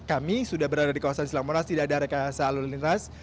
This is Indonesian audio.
kami sudah berada di kawasan silang monas tidak ada rekayasa lalu lintas